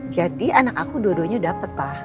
jadi anak aku dua duanya dapet pa